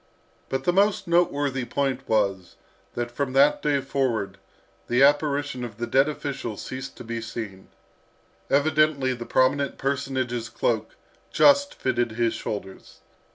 But the most noteworthy point was, that from that day forward the apparition of the dead official ceased to be seen. Evidently the prominent personage's cloak just fitted his shoulders.